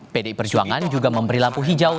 pdi perjuangan juga memberi lampu hijau